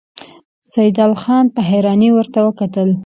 سيدال خان په حيرانۍ ورته وکتل.